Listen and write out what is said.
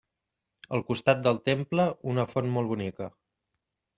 Al costat del temple una font molt bonica.